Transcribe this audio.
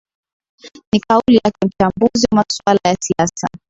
ni kauli yake mchambuzi wa masuala ya siasa